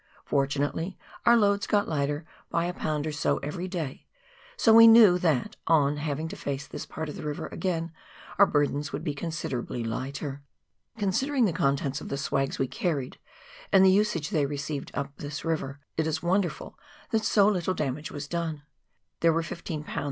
Fortunately our loads got lighter by a pound or so every day, so we knew that, on having to face this part of the river again, our burdens would be considerably lighter. Considering the contents of the " swags " we carried, and the usage they received up this river, it is wonderful that so little damage was done. There were 15 lbs.